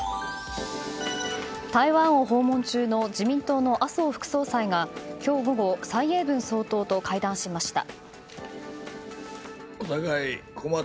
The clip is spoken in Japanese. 台湾を訪問中の自民党の麻生副総裁が今日午後、蔡英文総統と会談しました。